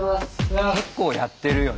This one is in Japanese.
結構やってるよね。